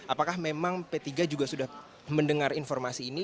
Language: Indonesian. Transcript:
apakah memang p tiga juga sudah mendengar informasi ini